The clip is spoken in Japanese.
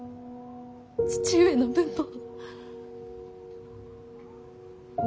父上の分も。